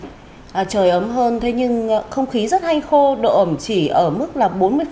trời ấm hơn thế nhưng không khí rất hay khô độ ẩm chỉ ở mức là bốn mươi